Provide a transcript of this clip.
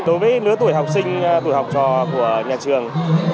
đối với lứa tuổi học sinh tuổi học trò của nhà trường